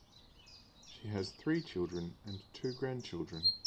She has three children and two grandchildren.